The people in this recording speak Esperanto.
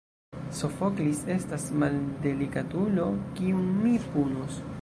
Sofoklis estas maldelikatulo, kiun mi punos.